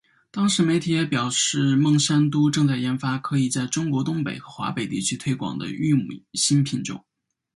当时媒体也表示孟山都正在研发可在中国东北和华北地区推广的玉米新品种。